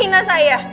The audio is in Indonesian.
dia yang diresina ya